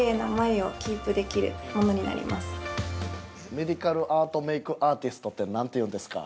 ◆メディカルアートメイクアーティストって何ていうんですか。